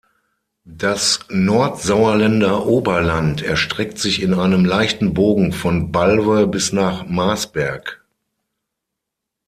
Das Nordsauerländer Oberland erstreckt sich in einem leichten Bogen von Balve bis nach Marsberg.